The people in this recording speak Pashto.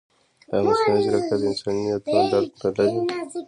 ایا مصنوعي ځیرکتیا د انساني نیتونو درک نه لري؟